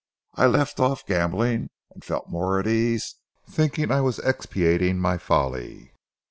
I left off gambling, and felt more at ease, thinking I was expiating my folly.